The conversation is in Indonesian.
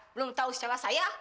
belum tahu secara saya